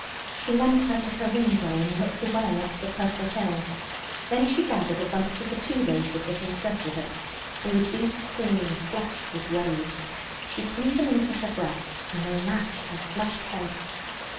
She leant out of her window and looked away up the purple hill. Then she gathered a bunch of the tea roses that encircled it. They were deep cream flushed with rose. She pinned them into her breast, and they matched her flushed face.